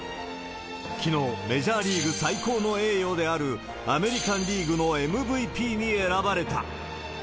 きのう、メジャーリーグ最高の栄誉である、アメリカンリーグのＭＶＰに選ばれた。